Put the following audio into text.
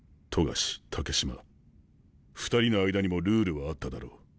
冨樫竹島２人の間にもルールはあっただろう。